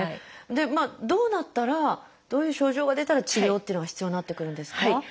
どうなったらどういう症状が出たら治療っていうのが必要になってくるんですか？